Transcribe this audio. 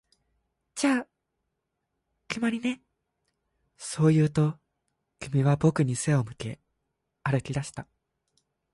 「じゃあ、決まりね」、そう言うと、君は僕に背を向け歩き出した